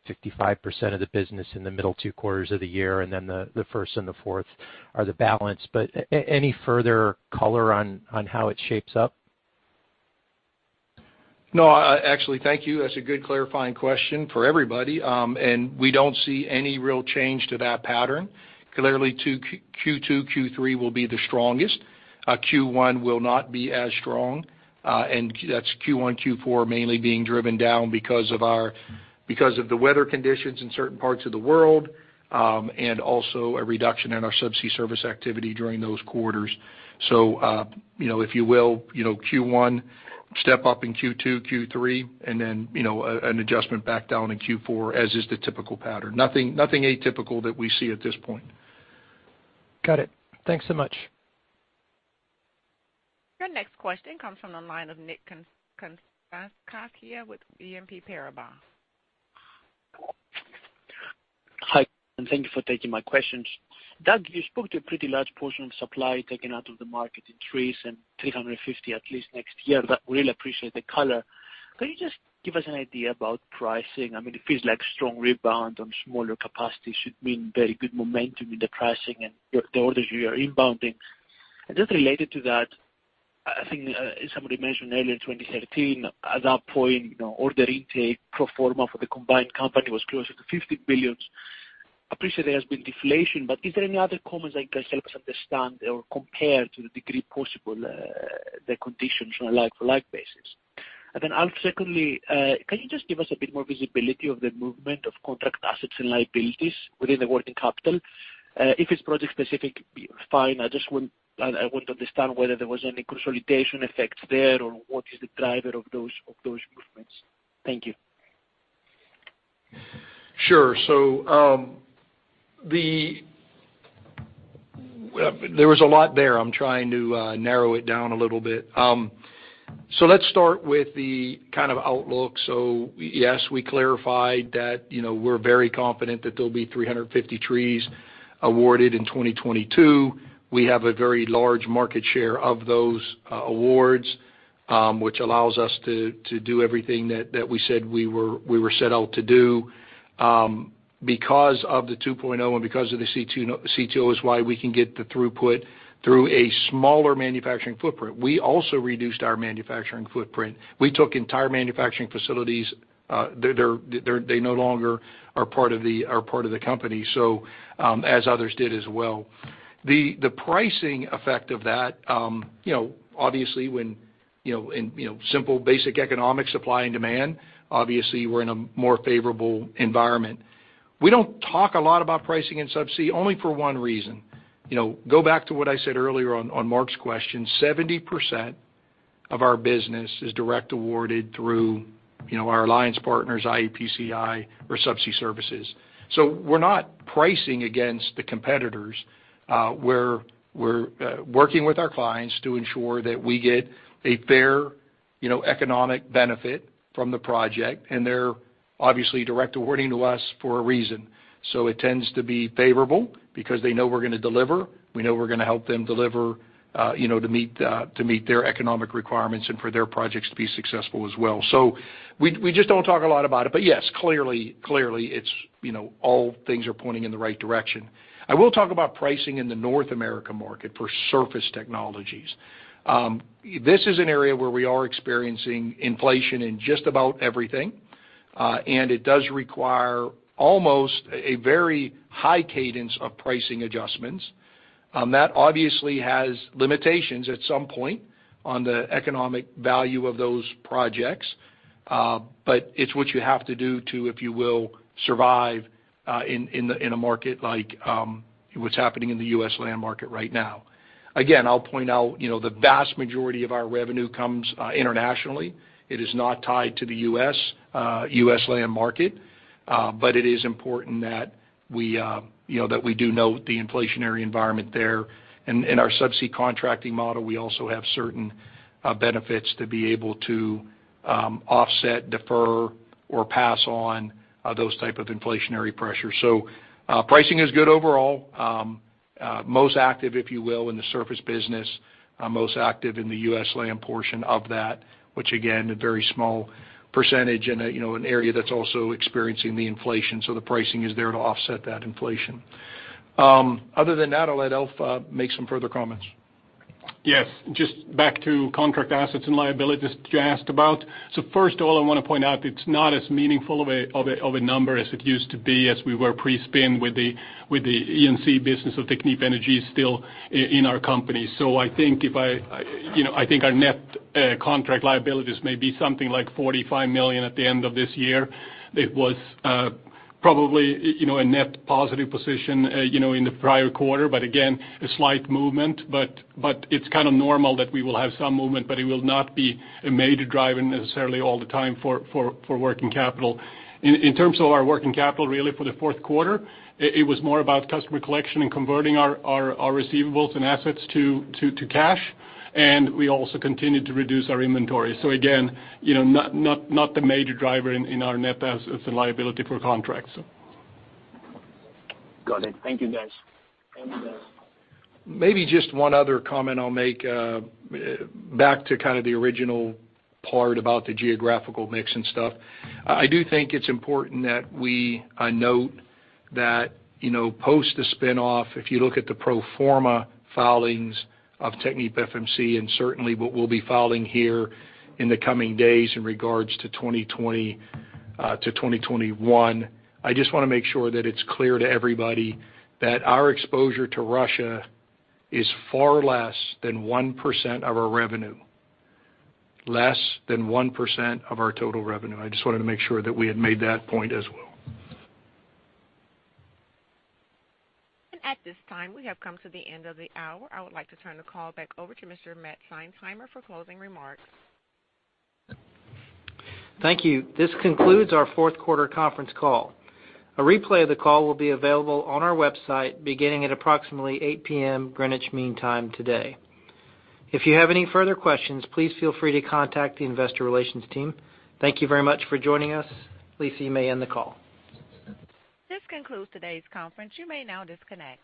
55% of the business in the middle two quarters of the year, and then the first and the fourth are the balance. Any further color on how it shapes up? No, actually, thank you. That's a good clarifying question for everybody. We don't see any real change to that pattern. Clearly, Q2, Q3 will be the strongest. Q1 will not be as strong. That's Q1, Q4 mainly being driven down because of the weather conditions in certain parts of the world, and also a reduction in our subsea service activity during those quarters. You know, if you will, you know, Q1 step up in Q2, Q3, and then, you know, an adjustment back down in Q4, as is the typical pattern. Nothing atypical that we see at this point. Got it. Thanks so much. Your next question comes from the line of Nick Konstantakis with BNP Paribas. Hi, and thank you for taking my questions. Doug, you spoke to a pretty large portion of supply taken out of the market in trees and 350 trees at least next year. I really appreciate the color. Can you just give us an idea about pricing? I mean, it feels like strong rebound on smaller capacity should mean very good momentum in the pricing and the orders you are inbounding. Just related to that, I think, somebody mentioned earlier, 2013, at that point, you know, order intake pro forma for the combined company was closer to $50 billion. Appreciate there has been deflation, but is there any other comments that can help us understand or compare to the degree possible, the conditions from a like-for-like basis? Then Alf, secondly, can you just give us a bit more visibility of the movement of contract assets and liabilities within the working capital? If it's project specific, be fine. I just want to understand whether there was any consolidation effects there or what is the driver of those movements. Thank you. Sure. There was a lot there. I'm trying to narrow it down a little bit. Let's start with the kind of outlook. Yes, we clarified that, you know, we're very confident that there'll be 350 trees awarded in 2022. We have a very large market share of those awards, which allows us to do everything that we said we were set out to do. Because of the 2.0 and because of the CTO is why we can get the throughput through a smaller manufacturing footprint. We also reduced our manufacturing footprint. We took entire manufacturing facilities, they no longer are part of the company, so, as others did as well. The pricing effect of that, you know, simple basic economic supply and demand. Obviously we're in a more favorable environment. We don't talk a lot about pricing in Subsea only for one reason. You know, go back to what I said earlier on Mark's question. 70% of our business is direct awarded through our alliance partners, iEPCI or Subsea services. So we're not pricing against the competitors. We're working with our clients to ensure that we get a fair economic benefit from the project, and they're obviously direct awarding to us for a reason. It tends to be favorable because they know we're gonna deliver, we know we're gonna help them deliver, you know, to meet their economic requirements and for their projects to be successful as well. We just don't talk a lot about it. Yes, clearly it's, you know, all things are pointing in the right direction. I will talk about pricing in the North America market for surface technologies. This is an area where we are experiencing inflation in just about everything, and it does require almost a very high cadence of pricing adjustments. That obviously has limitations at some point on the economic value of those projects, but it's what you have to do to, if you will, survive in a market like what's happening in the U.S. land market right now. Again, I'll point out, you know, the vast majority of our revenue comes internationally. It is not tied to the U.S., U.S. land market, but it is important that we, you know, that we do note the inflationary environment there. In our Subsea contracting model, we also have certain benefits to be able to offset, defer, or pass on those type of inflationary pressures. Pricing is good overall. Most active, if you will, in the Surface business, most active in the U.S. land portion of that, which again, a very small percentage in a, you know, an area that's also experiencing the inflation, so the pricing is there to offset that inflation. Other than that, I'll let Alf make some further comments. Yes. Just back to contract assets and liabilities you asked about. First of all, I wanna point out it's not as meaningful of a number as it used to be as we were pre-spin with the E&C business of Technip Energies still in our company. I think our net contract liabilities may be something like $45 million at the end of this year. It was probably, you know, a net positive position, you know, in the prior quarter, but again, a slight movement. It's kind of normal that we will have some movement, but it will not be a major driver necessarily all the time for working capital. In terms of our working capital, really for the fourth quarter, it was more about customer collection and converting our receivables and assets to cash. We also continued to reduce our inventory. Again, you know, not the major driver in our net assets and liability for contracts. Got it. Thank you, guys. Maybe just one other comment I'll make, back to kind of the original part about the geographical mix and stuff. I do think it's important that we, I note that, you know, post the spin-off, if you look at the pro forma filings of TechnipFMC and certainly what we'll be filing here in the coming days in regards to 2020 to 2021, I just wanna make sure that it's clear to everybody that our exposure to Russia is far less than 1% of our revenue. Less than 1% of our total revenue. I just wanted to make sure that we had made that point as well. At this time, we have come to the end of the hour. I would like to turn the call back over to Mr. Matt Seinsheimer for closing remarks. Thank you. This concludes our fourth quarter conference call. A replay of the call will be available on our website beginning at approximately 8:00 P.M. Greenwich Mean Time today. If you have any further questions, please feel free to contact the investor relations team. Thank you very much for joining us. Lisa, you may end the call. This concludes today's conference. You may now disconnect.